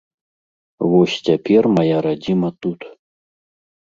Вось цяпер мая радзіма тут.